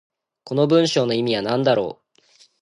この文章の意味は何だろう。